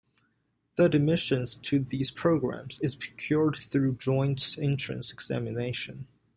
The admission to these programs is procured through Joint Entrance Examination.